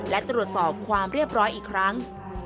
และตรวจสอบความเรียบร้อยอีกครั้ง